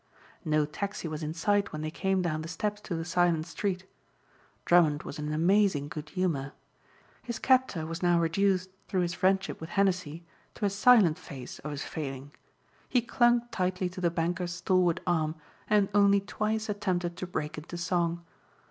No taxi was in sight when they came down the steps to the silent street. Drummond was in an amazing good humor. His captor was now reduced through his friendship with Henessey to a silent phase of his failing. He clung tightly to the banker's stalwart arm and only twice attempted to break into song.